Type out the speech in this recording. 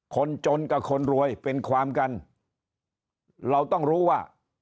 คนจนกับคนรวยเป็นความกันเราต้องรู้ว่า